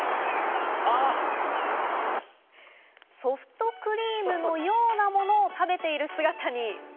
ソフトクリームのようなものを食べている姿に。